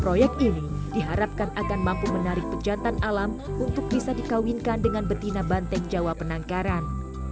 proyek ini diharapkan akan mampu menarik pejantan alam untuk bisa dikawinkan dengan betina banteng jawa penangkaran